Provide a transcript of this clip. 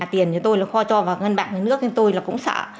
tiền tôi kho cho vào ngân bạc nước nên tôi cũng sợ